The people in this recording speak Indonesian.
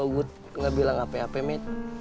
ibu aku gak bilang apa apa me